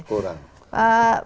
kita kan kurang